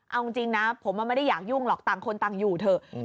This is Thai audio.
เอาจริงนะผมไม่ได้อยากยุ่งหรอกต่างคนต่างอยู่เถอะ